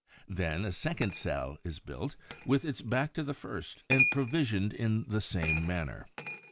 Then a second cell is built, with its back to the first and provisioned in the same manner.